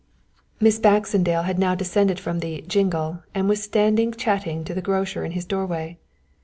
Miss Baxendale had now descended from the "jingle" and was standing chatting to the grocer in his doorway.